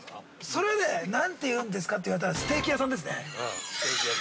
◆それね、何って言うんですかって言われたら、ステーキ屋さんですね。